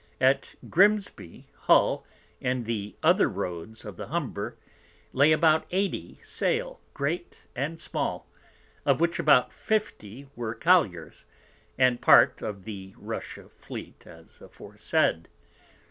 At Grimsby, Hull, and the other Roads of the Humber, lay about 80 Sail, great and small, of which about 50 were Colliers, and part of the Russia Fleet as aforesaid.